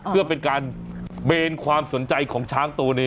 เพื่อเป็นการเบนความสนใจของช้างตัวนี้